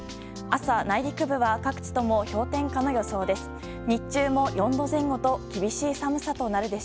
朝、内陸部は各地とも氷点下の予想です。